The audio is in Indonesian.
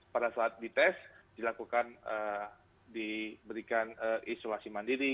pada saat dites dilakukan diberikan isolasi mandiri